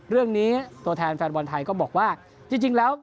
เรื่องนี้ตัวแทนแฟนบอลไทยก็บอกว่าจริงแล้ว